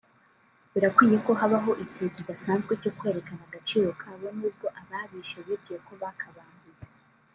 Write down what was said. Birakwiye ko habaho igihe kidasanzwe cyo kwerekana agaciro kabo n’ubwo ababishe bibwiye ko bakabambuye”